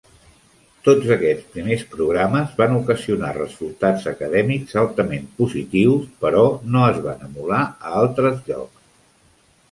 Tots aquests primers programes van ocasionar resultats acadèmics altament positius, però no es van emular a altres llocs.